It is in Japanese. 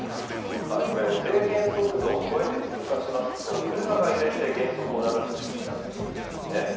これ、制限速度を超えて通過しますと、車が揺れて減速を促す仕組みになっているんですね。